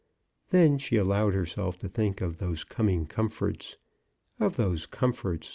Then she allowed herself to think of those coming comforts — of those comforts so MRS.